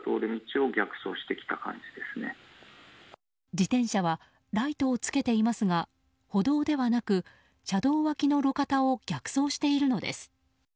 自転車はライトをつけていますが歩道ではなく車道脇の路肩を逆走しているのです。